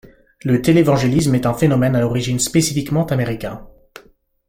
Le télévangélisme est un phénomène à l'origine spécifiquement américain.